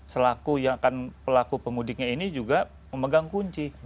selaku yang akan pelaku pemudiknya ini juga memegang kunci